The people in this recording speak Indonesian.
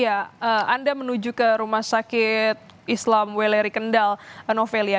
ya anda menuju ke rumah sakit islam weleri kendal novel ya